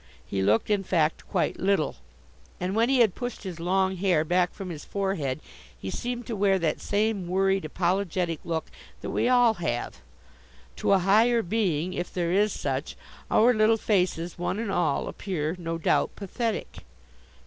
He looked, in fact, quite little, and when he had pushed his long hair back from his forehead he seemed to wear that same, worried, apologetic look that we all have. To a higher being, if there is such, our little faces one and all appear, no doubt, pathetic.